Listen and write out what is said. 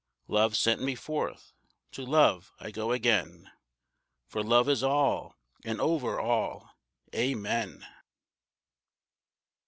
Love sent me forth, to Love I go again, For Love is all, and over all. Amen.